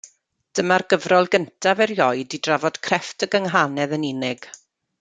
Dyma'r gyfrol gyntaf erioed i drafod crefft y gynghanedd yn unig.